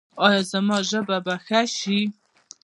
ایا زما ژبه به ښه شي؟